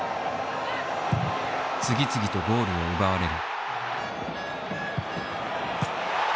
次々とゴールを奪われる。